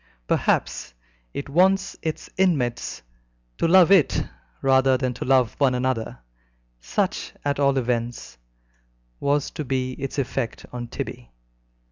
Perhaps it wants its inmates to love it rather than to love one another: such at all events was to be its effect on Tibby.